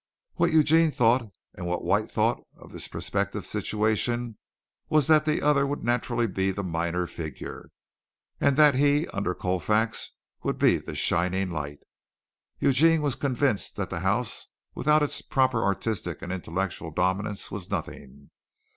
What Eugene thought and what White thought of this prospective situation was that the other would naturally be the minor figure, and that he under Colfax would be the shining light. Eugene was convinced that the house without proper artistic and intellectual dominance was nothing.